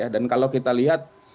dan kalau kita lihat